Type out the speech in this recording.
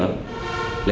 là rất phổ biến